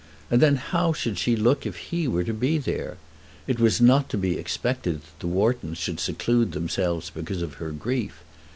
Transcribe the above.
And then how should she look if he were to be there? It was not to be expected that the Whartons should seclude themselves because of her grief.